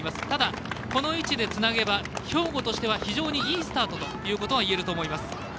ただ、この位置でつなげば兵庫としては、とてもいいスタートということはいえると思います。